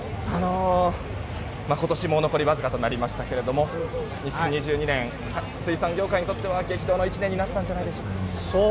今年も残りわずかとなりましたけども２０２２年水産業界にとっては激動の１年になったんじゃないでしょうか。